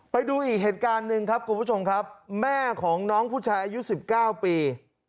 ไปดูอีกเหตุการณ์หนึ่งครับคุณผู้ชมครับแม่ของน้องผู้ชายอายุ๑๙ปี